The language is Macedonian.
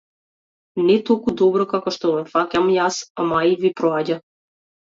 Не толку добро како што ве фаќам јас, ама ај, ви проаѓа.